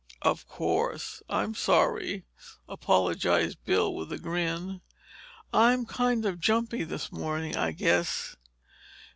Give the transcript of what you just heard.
"Of course,—I'm sorry," apologized Bill with a grin, "I'm kind of jumpy this morning, I guess.